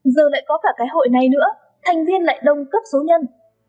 giờ lại có cả cái hội này nữa thành viên lại đông cấp số nhân